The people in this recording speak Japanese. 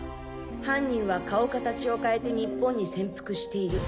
犯人は顔かたちを変えて日本に潜伏している。